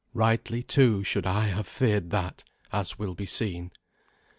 Rightly, too, should I have feared that, as will be seen.